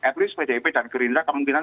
at least pdip dan gerindra kemungkinan